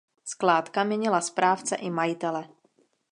Skládka měnila správce i majitele.